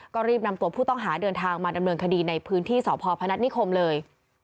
ก็รีบนำตัวผู้ต้องหาเดินทางมาดำเนินคดีในพื้นที่สพพนัฐนิคมเลย